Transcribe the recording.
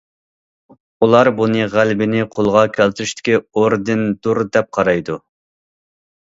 ئۇلار بۇنى غەلىبىنى قولغا كەلتۈرۈشتىكى« ئوردېن» دۇر، دەپ قارايدۇ!